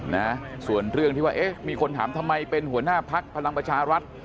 นะส่วนเรื่องที่ว่าเอ๊ะมีคนถามทำไมเป็นหัวหน้าพักพลังประชารัฐ